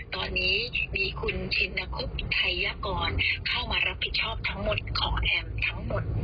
ตอนนี้มีคุณชินคุบอุทัยกรเข้ามารับผิดชอบทั้งหมดของแอมทั้งหมด